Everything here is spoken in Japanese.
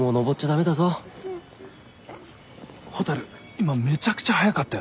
今めちゃくちゃ速かったよな。